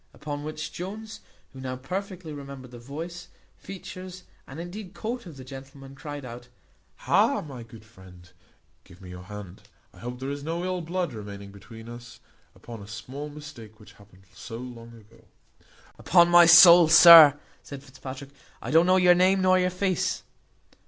Upon which Jones, who now perfectly remembered the voice, features, and indeed coat, of the gentleman, cried out "Ha, my good friend! give me your hand; I hope there is no ill blood remaining between us, upon a small mistake which happened so long ago." "Upon my soul, sir," said Fitzpatrick, "I don't know your name nor your face."